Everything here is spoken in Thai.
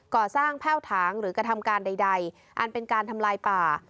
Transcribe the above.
กระทั่งแพ่วถางหรือกระทำการใดอันเป็นการทำลายป่า